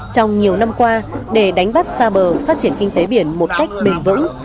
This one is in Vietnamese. trong nhiều năm qua để đánh bắt xa bờ phát triển kinh tế biển một cách bền vững